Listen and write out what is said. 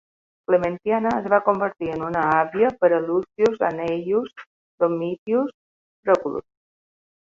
Clementiana es va convertir en una àvia per a Lucius Anneius Domitius Proculus.